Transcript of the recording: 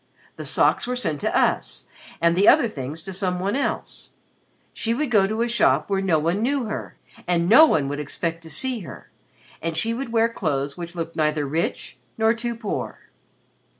The socks were sent to us and the other things to some one else. She would go to a shop where no one knew her and no one would expect to see her and she would wear clothes which looked neither rich nor too poor."